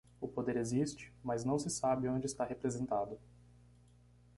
O poder existe, mas não se sabe onde está representado.